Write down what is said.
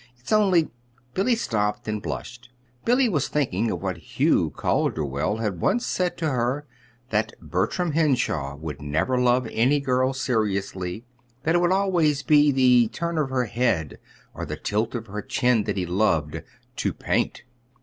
"It's only " Billy stopped and blushed. Billy was thinking of what Hugh Calderwell had once said to her: that Bertram Henshaw would never love any girl seriously; that it would always be the turn of her head or the tilt of her chin that he loved to paint.